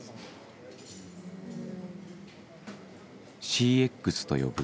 「ＣＸ」と呼ぶ